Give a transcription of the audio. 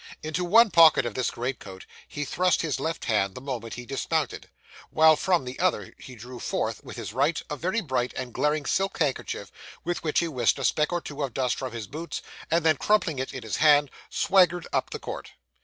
Into one pocket of this greatcoat, he thrust his left hand the moment he dismounted, while from the other he drew forth, with his right, a very bright and glaring silk handkerchief, with which he whisked a speck or two of dust from his boots, and then, crumpling it in his hand, swaggered up the court.